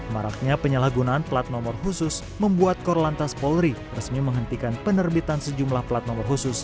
maraknya penyalahgunaan plat nomor khusus membuat korlantas polri resmi menghentikan penerbitan sejumlah plat nomor khusus